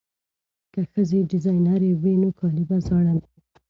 که ښځې ډیزاینرې وي نو کالي به زاړه نه وي.